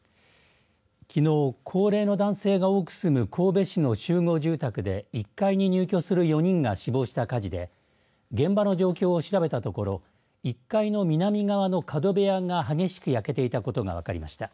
きのう高齢の男性が多く住む神戸市の集合住宅で１階に入居する４人が死亡した火事で現場の状況を調べたところ１階の南側の角部屋が激しく焼けていたことが分かりました。